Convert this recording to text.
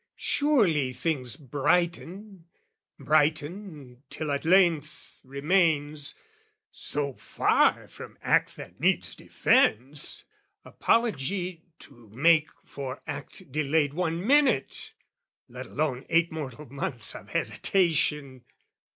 Surely things brighten, brighten, till at length Remains so far from act that needs defence Apology to make for act delayed One minute, let alone eight mortal months Of hesitation!